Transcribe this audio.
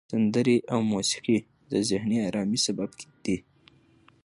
سندرې او موسیقي د ذهني آرامۍ سبب دي.